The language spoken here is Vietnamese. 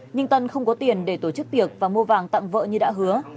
nhưng tân không có tiền để tổ chức tiệc và mua vàng tặng vợ như đã hứa